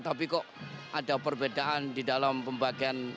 tapi kok ada perbedaan di dalam pembagian